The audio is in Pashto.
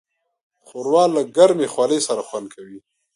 ښوروا له ګرمې خولې سره خوند کوي.